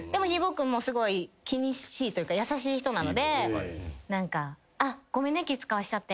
君もすごい気にしいというか優しい人なので「ごめんね気使わせちゃって」